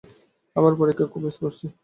আমি আমার পরিবারকে খুব মিস করেছি।